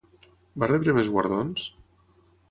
Va rebre més guardons?